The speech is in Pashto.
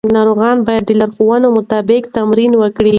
ناروغان باید د لارښود مطابق تمرین وکړي.